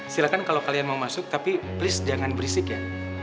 silahkan kalau kalian mau masuk tapi please jangan berisik ya